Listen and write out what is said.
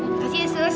terima kasih sus